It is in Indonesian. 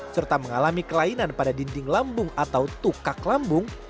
serta mengalami kelainan pada dinding lambung atau tukak lambung